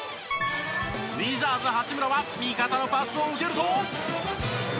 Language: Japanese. ウィザーズ八村は味方のパスを受けると。